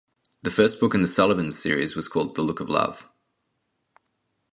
The first book in the "Sullivans" series was called "The Look of Love".